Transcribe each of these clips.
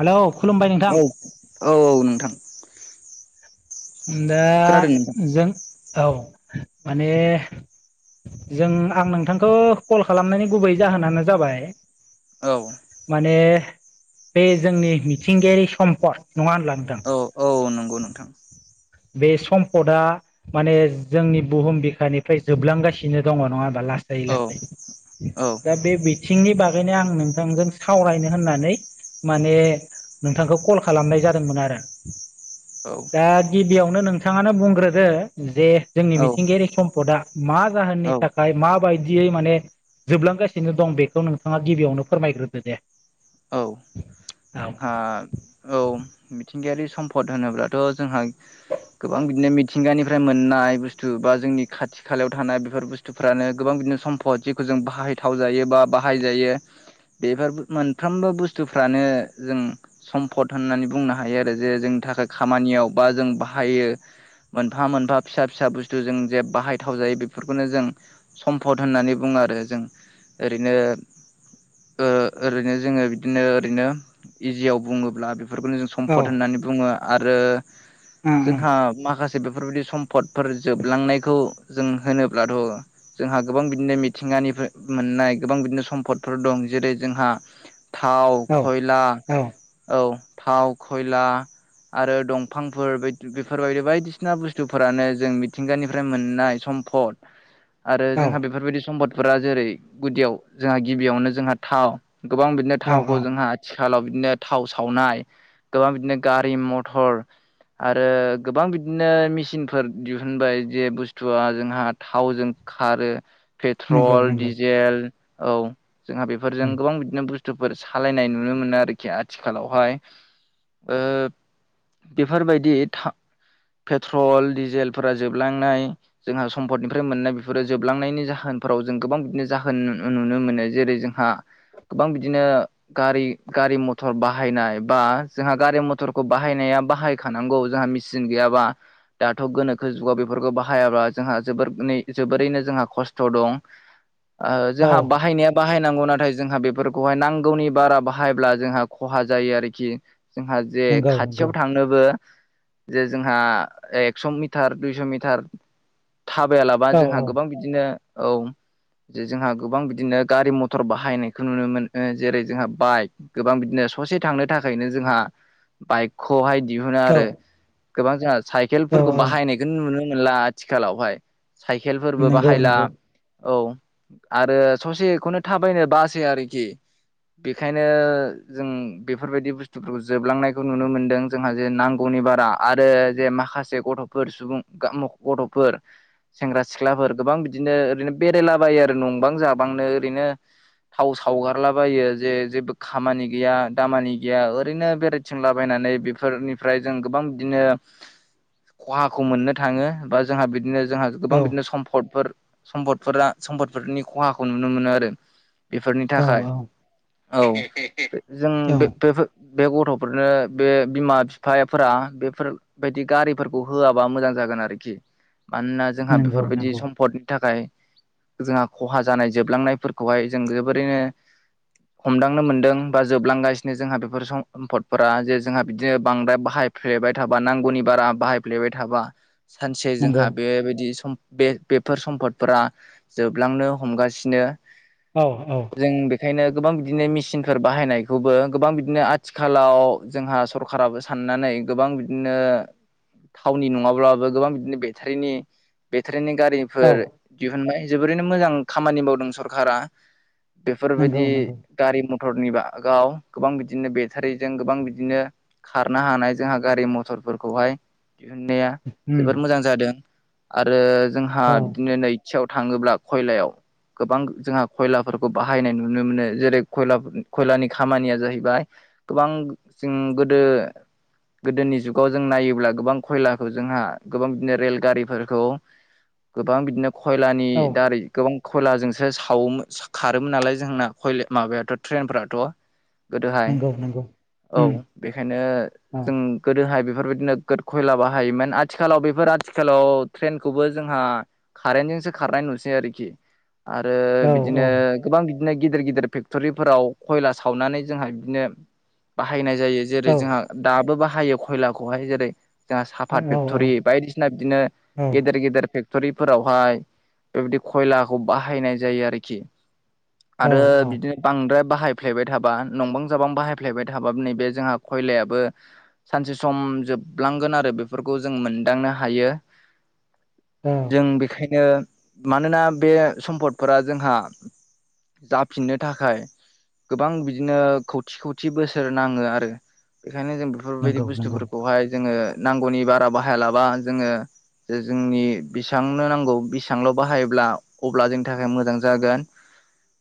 Hello खुलुमबाय नोंथां औ औ औ नोंथां ओमदा खोनादों नोंथां जों औ माने जों आं नोंथांखौ कल खालामनायनि गुबै जाहोनानो जाबाय औ माने बे जोंनि मिथिंगायारि सम्पद नङा होनब्ला नोंथां औ औ नंगौ नोंथां बे सम्पदा माने जोंनि बुहुम बिखानिफ्राय जोबलांगासिनो दङ नङा लासै औ लासै दा बे सिंनि बागैनो आं नोंथांजों सावरायनो होननानै माने नोंथांखौ कल खालामनाय जादोंमोन आरो औ दा गिबियावनो नोंथाङानो बुंग्रोदो जे जोंनि मिथिंगायारि सम्पदा मा जाहोननि नि औ थाखाय माबायदियै माने जोबलांगासिनो दं बेखौ नोंथाङा गिबियावनो फोरमायग्रोदो दे औ औ जोंहा औ मिथिंगायारि सम्पद होनोब्लाथ' जोंहा गोबां बिदिनोथि मिथिंगानिफ्राय मोननाय बुस्थु बा जोंनि खाथि खालायाव थानाय बेफोर बुस्थुफ्रानो गोबां बिदिनो सम्फद जेखौ जों जों बाहायथाव जायो बा बाहायजायो बेफोर मोनफ्रोमबो बुस्थुफ्रानो जों सम्फद होननानै बुंनो हायो हायो आरो जे जोंनि थाखाय खामानियाव बा जों बाहायो मोनफा मोनफा फिसा फिसा बुस्थु जों जे बाहायथाव जायो बेफोरखौनो जों सम्फद होननानै बुङो आरो जों ओरैनो ओरैनो जोङो बिदिनो ओरैनो इजियाव बुङोब्ला बेफोरखौनो जों सम औ पट होननानै बुङो आरो उम उम जोंहा माखासे बेफोरबायदि सम्फदफोर जोबलांनायखौ जों होनोब्लाथ' जोंहा गोबां बिदिनो मिथिगा मोननाय गोबां बिदिनो सम्पदफोर दं जेरै जोंहा थाव औ खयला औ औ थाव खयला आरो दंफांफोर बेफोरबायदि बायदिसिना बुस्थुफोरानो जों मिथिंगानिफ्राय मोननाय सम समफद आरो औ जोंहा बेफोरबायदि सम्पदफोरा जेरै गुदियाव जोंहा गिबियावनो जोंहा थाव गोबां बिदिनो औ थावखौ औ जोंहा आथिखालाव बिदिनो थाव सावनाय गोबां बिदिनो गारि मथर ग- आरो गोबां बिदिनो मेसिनफोर दिहुनबाय जे बुस्थुआ जोंहा थावजों खारो नंगौ पेट्रल, नंगौ डिजेल औ जोंहा बेफोरजों गोबां बिदिनो बुस बुस्थुफोर सालायनाय नुनो मोनो आरोखि आथिखालावहाय ओ बेफोरबायदि था पेट्रल, डिजेलफोरा जोबलांनाय जोंहा सम्पदनिफ्राय मोननाय बेफोरो जोबलांनायनि जाहोन फोराव जों गोबां बिदिनो जाहोन नुनो मोनो जेरै जोंहा गोबां बिदिनो गारि गारि-मथर बाहायनाय बा जोंहा गारि-मथरखौ बाहायनाया बाहायखानांगौ जोंहा मेसिन गैयाबा दाथ' गोनोखो जुगाव बेफोर फोरखौ बाहायाब्ला जोंहा जोबोर नै जोबोरैनो जोंहा खस्थ' दं। ओ औ जोंहा बाहायनाया बाहायनाय नांगौ नाथाय जोंहा बेफोरखौहाय नांगौनि बारा बाहायब्ला जोंहा खहा जायो आरोखि जोंहा जे नंगौ नंगौ खाथियाव थांनोबो जे जोंहा एक्स' मिटार, दुइस' मिटार थाबायालाबा औ जोंहा औ गोबां बिदिनो औ जे जोंहा गोबां बिदिनो गारि-मटर बाहायनायखौ नुनो मोनो जेरै जोंहा बाइक गोबां बिदिनो ससे थांनो थाखायनो जोंहा बाइकखौहाय दिहुनो औ आरो गोबां जोंहा औ साइकेलफोरखौ औ बाहायनायखौ नुनो मोनला आथिखालावहाय साइकेलफोरबो नंगौ बाहायला नंगौ औ आरो ससेखौनो थाबायनो बासै आरोखि बेखायनो जों बेफोरबायदि बुस् थु फोरखौ जोबलांनायखौ नुनो मोनदों जोंहा जे नांगौनि बारा आरो जे माखासे गथ'फोर सुबुं [unintelligible] गथ'फोर सेंग्रा, सिख्लाफोर गोबां बिदिनो ओरैनो बेरायलाबायो आरो नंबां जाबांनो ओरैनो थाव सावगारलाबायो जे जेबो खामानि गैया दामानि गैया ओरै ओरैनो बेरायथिंलाबायनानै बेफोरनिफ्राय जों गोबां बिदिनो खहाखौ मोननो थाङो बा जोंहा बिदिनो जोंहा औ गोबां बिदिनो सम्फदफोर सम्पदफोरा सम्पदफोरनि खहाखौ नुनो मोनो आरो बेफोरनि औ थाखाय औ औ जों औ बे बेफोर बे गथ'फोरनो बे बिमा बिफाफोरा बेफोरबायायदि गारिफोरखौ होआबा मोजां जायो। जागोन आरोखि मानोना जोंहा नंगौ बेफोरबायदि नंगौ सम्पदनि थाखाय जोंहा खहा जानाय जोबलांनायफोरखौहाय जों जोबोरैनो हमदांनो मोनदों बा जोबलांगासिनो जोंहा बे बेफोर सम सम्पदफोरा जे जोंहा बिदिनो बांद्राय बाहायफ्लेबाय थाबा नांगौनि बारा बाहायफ्लेबाय थाबा सानसे नंगौ जोंहा बेबायदि सम बे बेफोर सम्फदफोरा जोबलांनो हमगासिनो। औ औ। बेंखायनो गोबां बिदिनो मेसिनफोर बाहायनायखौबो गोबां बिदि बिदिनो आथिखालाव जोंहा सरखाराराबो साननानै गोबां बिदिनो थावनि नङाब्लाबो गोबां बिदिनो बेटारिनि बेटा नि गारिफोर औ दिहुनबाय जोबोरैनो मोजां खामानि मावदों सरखारा। नंगौ बेफोरबायदि नंगौ गारि-मथरनि बागाव गोबां बिदि बिदिनो बेटारिजों गोबां बिदिनो खारनो हानाय जोंहा गारि मथरफोरखौहाय दिहुनन्नाया उम जोबोर मोजां जादों आरो जोंहा औ बिदिनो नै सायाव थाङोब्ला खयलायाव गोबां जोंहा खयलाफोरखौ बाहायनाय नुनो मोनो जेरै खयला खयलानि खामानिया जाहैबाय गोबां जों गोदो गोदोनि जुगाव जों नायोब्ला गोबां खयलाखौ जोंहा गोबां बिदिनो रेलगारिफोरखौ गोबां बिदिनो खयलानि औ दारै गोबां। खयलाजोंसो सावोमोन खारोमोन नालाय जोंना खय माबायाथ' ट्रेनफ्राथ'। गोदोहाय नंगौ नंगौ औ उम बेखायनो औ जों गोदोहाय बे बेफोर बायदिनो नोगोद खयला बाहायोमोन आथिखालाव बेफोर आथिखालाव ट्रेनखौबो जोंहा कारेन्टजों सो खारनाय नुसै आरोखि। आरो बिदिनो गोबां बिदिनो गिदिर गिदिर फेक्टरिफोराव खयला सावनानै जोंहा बिदिनो बाहायनाय जायो जेरै जोंहा दाबो बाहायो खयलाखौहाय जेरै जोंहा साफात औ फेक्ट'रि बायदिसिना बिदिनो गेदेर गेदेर फेख थ'रिफोरावहाय बेबायदि खयलाखौ बाहायनाय जायो आरोखि। औ आरो बिदिनो बांद्राय बाहायफ्लेयबाय थाबा नंबां जाबां बाहाय फ्लेबाय थाबाबो नैबे जोंहा खयलायाबो सानसे सम जोबलांगोन आरो बेफोरखौ जों मोन मोनदांनो हायो। [inaudible] औ जों बेखायनो मानोना बे सम्फदफोरा जोंहा जाफिननो थाखाय गोबां बिदिनो खौथि खौ थि बोसोर नाङो आरो बेखायनो जों बेफोरबायदि नंगौ नंगौ बुस्थुफोरखौहाय जोङो नांगौनि बारा बाहायालाबा जोङो जे जोंनि बेसेबांनो नांगौ बेसेबांल' बाहायोब्ला अब्ला जोंनि थाखाय मोजां जागोन [inaudible]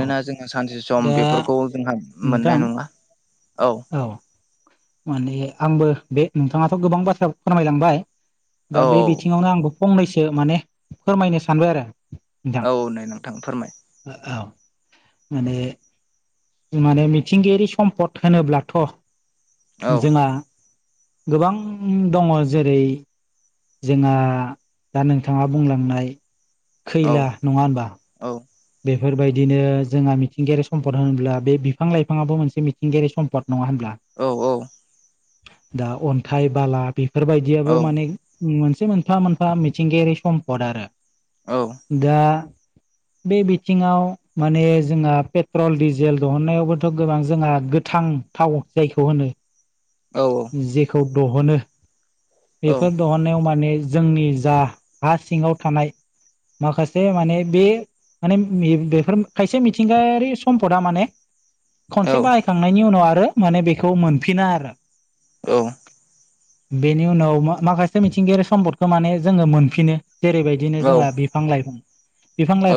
औ जोंङो सानसे सम दा बेफोरखौ जोंहा नोंथां मोननाय नङा। औ माने आंबो बे नोंथाङाथ' गोबां बाथ्रा फोरमायलांबाय दा औ बे बिथिङावनो आंबो फंनैसो माने फोरमायनो सानबाय आरो। नोंथां औ नै नोंथां फोरमाय। औ माने माने मिथिंगायारि सम्पद होनोब्लाथ' औ जोंहा गोबां दङ जेरै जोंहा दा नोंथाङा बुंलांनाय औ खैला नङा होनबा? औ बेफोरबायदिनो जोंहा मिथिंगायारि सम्पद होनोब्ला बे बिफां लाइफाङाबो मोनसे मिथिंगायारि सम्पद नङा होनब्ला? औ औ। दा अन्थाइ बाला औ बेफोरबायदियाबो माने मोनसे मोनफा मोनफा मिथिंगायारि सम्पद आरो औ दा बे बिथिङाव माने जोंहा पेट्रल डिजेल दिहुननायावबोथ' गोबां जोंहा गोथां थाव जायखौ होनो औ जेखौ दहनो औ बेफोर दिहननायाव माने जोंनि जा हा सिङाव थानाय माखासे माने बे माने बेफोर खायसे मिथिंगायारि सम्पदा माने खनसे औ बाहायखांनायनि उनाव आरो माने बेखौ मोनफिना आरो। औ। बेनि उनाव माखासे मिथिंगायारि सम्पदखौ माने जोङो मोनफिनो। जेरैबायदिनो जोंहा बिफां लाइफां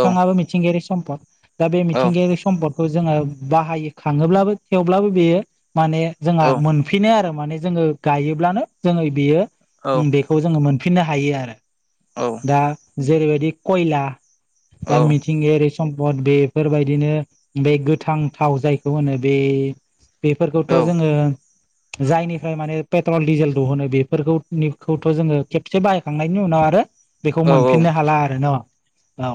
बिफाङाबो मिथिंगायारि सम्पद दा बे मिथिंगायारि सम्पद जोङो बाहाय खाङोब्लाबो थेवब्लाबो बेयो माने जोंहा मोनफिनो आरो। माने जोङो गायोब्लानो जोङो बियो बेखौ जोङो मोनफिननो हायो आरो। औ दा जेरैबायदि खयला दा मिथिंगायारि सम्पद बेफोरबायदिनो बे गोथां थाव जायखौ होनो बे बेफोरखौथ' जोङो जायनिफ्राय माने पेट्रल डिजेल दिहुनो बेफोरखौखौथ' जोङो खेबसे बाहायखांनायनि उनाव आरो बेखौ औ मोनफिननो हाला आरो न? औ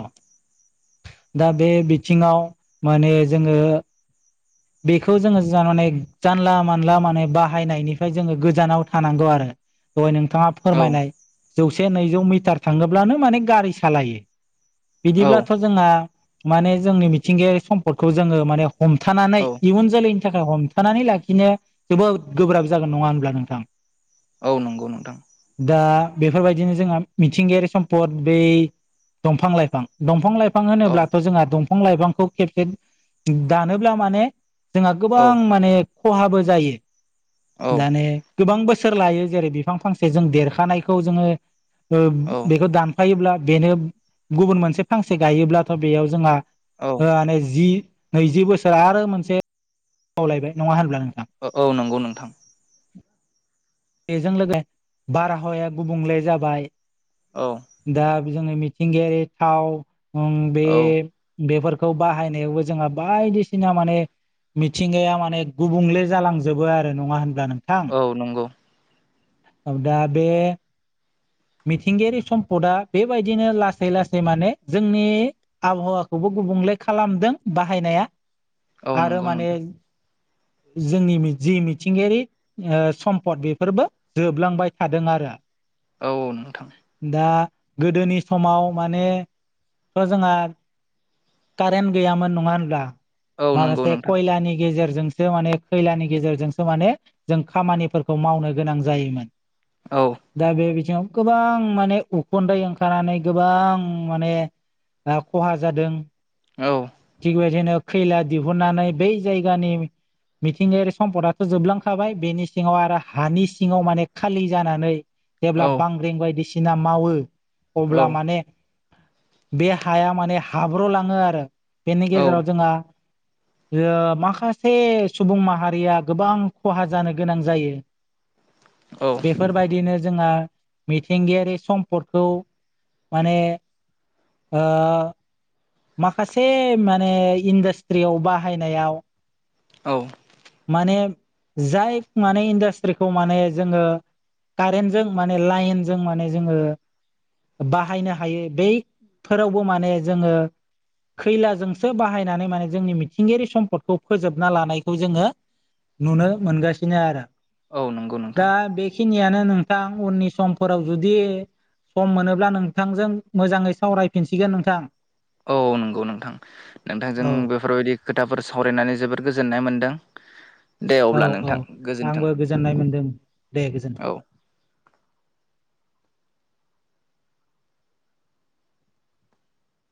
दा बे बिथिङाव माने जोङो बेखौ जोङो माने जानला मानला माने बाहायनायनिफ्राय जोङो गोजानाव थानांगौ आरो। दहाय नोंथाङा औ फोरमायनाय जौसे नैजौ मिटार थाङोब्लानो माने गारि सालायो। औ बिदिब्लाथ' जोंहा माने जोंनि मिथिंगायारि सम्पदखौ जोङो माने हमथानो औ इयुन जोलैनि थाखाय हमथानानै लाखिनो जोबोद गोब्राब जागोन नङा होनब्ला नोंथां? औ नंगौ नोंथां। दा बेफोरबायदिनो जोंहा मिथिंगायारि सम्पद बै दंफां लाइफां दंफां लाइफां बिफां औ होनोब्लाथ' जोंहा दंफां लाइफांखौ खेबसे दानोब्ला माने जोंहा औ गोबां माने खहाबो जायो औ दाने गोबां बोसोर लायो जेरै बिफां फांसे जों देरखानायखौ जोङो। औ बेखौ दानफायोब्ला बेनो गुबुन मोनसे फांसे गायोब्लाथ' बेयाव जोंहा। औ जि नैजि बोसोर आरो मोनसे खावलायबाय नङा होनब्ला। नोंथां औ नंगौ नोंथां। बेजों लोगो बारहावाया गुबुंले जाबाय। औ दा मिथिंगायारि थाव औ खौ बाहायनायावबो जोंहा बायदिसिना माने मिथिंगाया माने गुबुंले जालांजोबो आरो नङा होन औ नंगौ। दा बे मिथिंगायारि सम्पदा बेबायदिनो लासै लासै माने जोंनि आबहावाखौबो गुबुंले खालामदों बाहायनाया औ आरो नंगौ माने नोंथां जोंनि जि मिथिंगायारि सम्पद बेफोरबो जोबलांबाय थादों आरो। औ नोंथां‌। दा गोदोनि समाव मानेथ' जोंहा कारेन्ट गैयामोन नङा होनब्ला औ नंगौ माखासे नोंथां खयलानि गेजेरजों जोंसो माने खैलानि गेजेरजोंसो माने जों खामानिफोरखौ मावनो गोनां जायोमोन। औ दा बेयो याव गोबां माने उखुन्दै ओंखारनानै गोबां माने खहा जादों औ थिगबेदिनो खैला दिहुननानै बै जायगानि मिथिंगायारि सम्पदाथ' जोबलांखाबाय बेनि सिङाव आरो हानि सिङाव माने खालि जानानै औ जेब्ला बांग्रिं बायदिसिना मावो अब्ला माने बे हाया माने हाब्र'लाङो आरो बेनि औ गेजेराव जोंहा माखासे सुबुं माहारिया गोबां खहा जानो गोनां जायो बेफोरबायदिनो जोंहा मिथिंगायारि सम्पदखौ माने ओ माखासे माने इन्डास्ट्रियाव बाहायनायाव औ माने जाय माने इन्डास्ट्रिखौ माने जोङो कारेन्टजों माने लाइनजों माने जोङो बाहायनो हायो बैफोरावबो माने जोङो खैलाजोंसो बाहायनानै माने जोंनि मिथिंगायारि सम्पदखौ फोजोबना लानायखौ जोङो नुनो मोनगासिनो आरो औ नंगौ दा नोंथां बेखिनियानो नोंथां उननि समफोराव जुदि सम मोनोब्ला नोंथांजों मोजाङै सावरायफिनसिगोन नोंथां औ नंगौ नोंथां नोंथांजों औ बेफोरबायदि खोथाफोर सावरायनानै जोबोद गोजोननाय मोनदों दे औ अब्ला औ नोंथां गोजोन्थों आंबो गोजोननाय मोनदों दे गोजोन्थों। औ